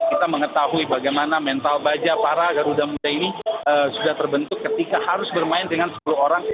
kita mengetahui bagaimana mental baja para garuda muda ini sudah terbentuk ketika harus bermain dengan sepuluh orang